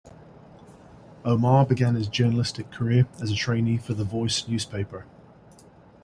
Omaar began his journalistic career as a trainee for "The Voice" newspaper.